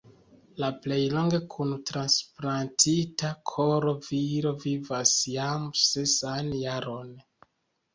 La plej longe kun transplantita koro viro vivas jam sesan jaron.